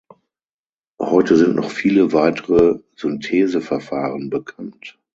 Heute sind noch viele weitere Syntheseverfahren bekannt.